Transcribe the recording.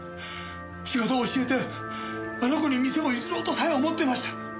仕事を教えてあの子に店を譲ろうとさえ思ってました。